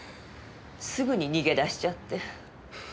すぐに逃げ出しちゃって。